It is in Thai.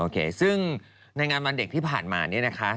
ซึ่งในงานวันเด็กที่ผ่านมาเนี่ยนะคะ